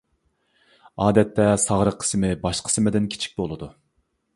ئادەتتە ساغرا قىسمى باش قىسمىدىن كىچىك بولىدۇ.